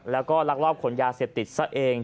แล้วก็ลักลอบขนยาเสพติดซะเอง